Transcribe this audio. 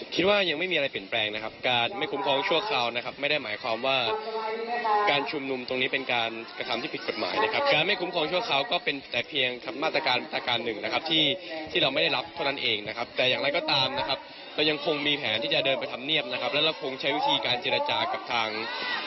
คิดว่ายังไม่มีอะไรเปลี่ยนแปลงนะครับการไม่คุ้มครองชั่วคราวนะครับไม่ได้หมายความว่าการชุมนุมตรงนี้เป็นการกระทำที่ผิดกฎหมายนะครับการไม่คุ้มครองชั่วคราวก็เป็นแต่เพียงมาตรการประการหนึ่งนะครับที่ที่เราไม่ได้รับเท่านั้นเองนะครับแต่อย่างไรก็ตามนะครับเรายังคงมีแผนที่จะเดินไปทำเนียบนะครับแล้วเราคงใช้วิธีการเจรจากับทาง